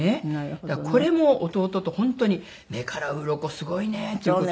だからこれも弟と本当に目からうろこすごいね！っていう事で。